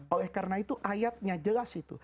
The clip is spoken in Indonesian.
oleh karena itu ayatnya jelas itu